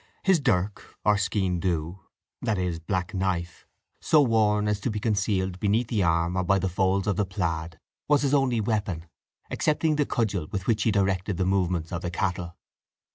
His dirk, or skene dhu (i.e. black knife), so worn as to be concealed beneath the arm, or by the folds of the plaid, was his only weapon, excepting the cudgel with which he directed the movements of the cattle.